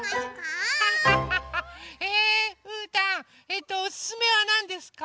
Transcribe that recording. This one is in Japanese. えうーたんおすすめはなんですか？